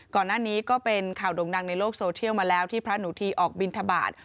ก่อนหน้านี้ก็เป็นข่าวดงดังในโลกโซเทียลมาแล้วที่พระหนุทีออกบิณฑบาต